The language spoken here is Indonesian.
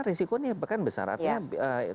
risikonya bukan besar artinya